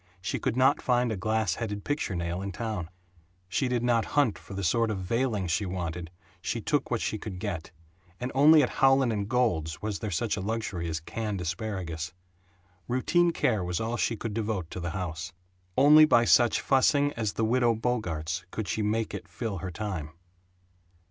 She could not find a glass headed picture nail in town; she did not hunt for the sort of veiling she wanted she took what she could get; and only at Howland & Gould's was there such a luxury as canned asparagus. Routine care was all she could devote to the house. Only by such fussing as the Widow Bogart's could she make it fill her time.